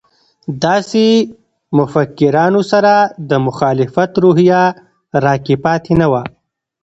داسې مفکرانو سره د مخالفت روحیه راکې پاتې نه وه.